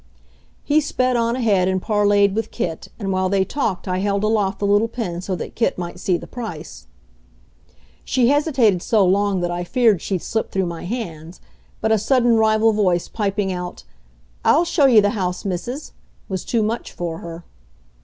He sped on ahead and parleyed with Kit; and while they talked I held aloft the little pin so that Kit might see the price. She hesitated so long that I feared she'd slip through my hands, but a sudden rival voice piping out, "I'll show ye the house, Missus," was too much for her.